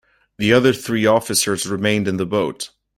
The other three officers remained in the boat.